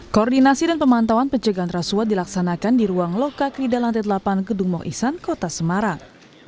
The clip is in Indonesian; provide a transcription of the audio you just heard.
koordinasi dan pemantauan pencegahan rasuah dilaksanakan di ruang lokak rida lantai delapan gedung maung isan kota semarang